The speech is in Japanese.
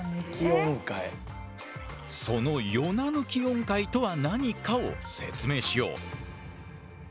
そのヨナ抜き音階とは何かを説明しよう。